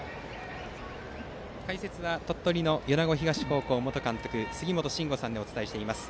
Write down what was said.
解説は鳥取の米子東高校元監督杉本真吾さんでお伝えしています。